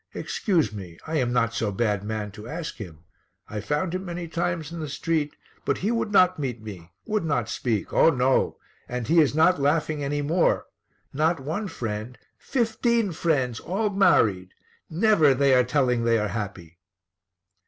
Excuse me, I am not so bad man to ask him. I found him many times in the street, but he would not meet me, would not speak. Oh, no! And he is not laughing any more. Not one friend; fifteen friends, all married. Never they are telling they are happy."